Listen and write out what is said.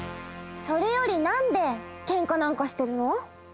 それよりなんでけんかなんかしてるの？